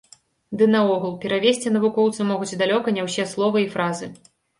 Ды наогул, перавесці навукоўцы могуць далёка не ўсе словы і фразы.